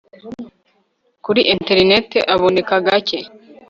kuri interineti aboneka gake